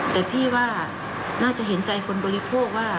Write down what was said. แต่พี่ว่าน่าจะเห็นใจคนบริโภคว่า